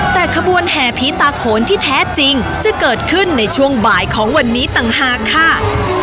แต่ขบวนแห่ผีตาโขนที่แท้จริงจะเกิดขึ้นในช่วงบ่ายของวันนี้ต่างหากค่ะ